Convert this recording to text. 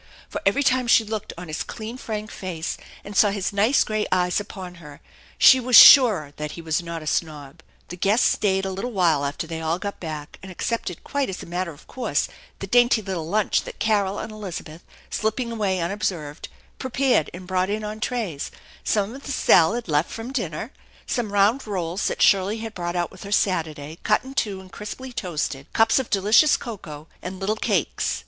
For every time she looked on his clean, frank face, and saw his nice gray eyes upon her, she was surer that he was not a snob. The guests stayed a little while after they all got back, and accepted quite as a matter of course the dainty little lunch that Carol and Elizabeth, slipping away unobserved, prepared and brought in on trays, some of the salad left from dinner, some round rolls that Shirley had brought out with her Saturday, cut in two and crisply toasted, cups of delicious cocoa, and little cakes.